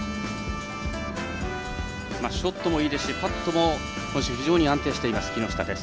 ショットもいいですしパットも今週、非常に安定している木下です。